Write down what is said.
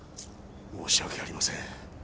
申し訳ありません。